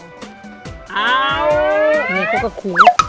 อ้าวววววววววนี่เขาก็คุก